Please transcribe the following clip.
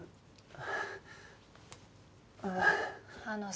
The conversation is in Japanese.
ああ。